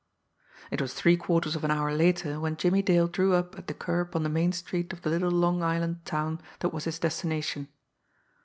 It was three quarters of an hour later when Jimmie Dale drew up at the curb on the main street of the little Long Island town that was his destination.